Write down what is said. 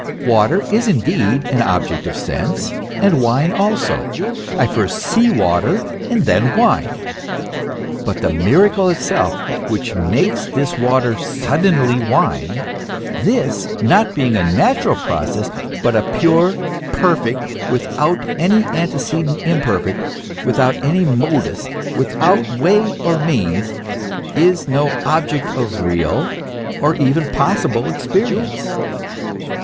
Water is indeed an object of sense, and wine also; I first see water, and then wine; but the miracle itself, that which makes this water suddenly wine, this, not being a natural process, but a pure perfect without any antecedent imperfect, without any modus, without way or means, is no object of real, or even of possible experience.